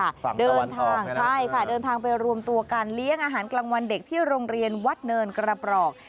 ครับเดินทางใช่ค่ะเดินทางไปรวมตัวกันเลี้ยงอาหารกลางวันเด็กที่โรงเรียนวัดเนินกระปรอก